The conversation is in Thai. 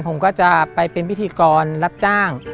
ผมก็จะไปเป็นพิธีกรรับจ้าง